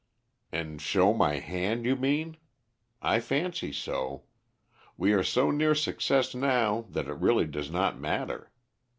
"And show my hand, you mean? I fancy so. We are so near success now that it really does not matter.